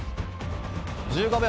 １５秒。